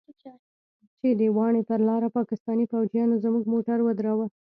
چې د واڼې پر لاره پاکستاني فوجيانو زموږ موټر ودراوه.